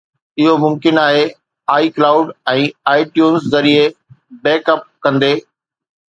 اهو ممڪن آهي iCloud ۽ iTunes ذريعي بيڪ اپ ڪندي